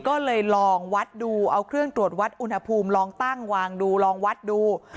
ก็เลยลองวัดดูเอาเครื่องตรวจวัดอุณหภูมิลองตั้งวางดูลองวัดดู